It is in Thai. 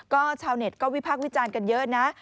ก็ชาวเน็ตก็วิพากษ์วิจารณ์กันเยอะนะ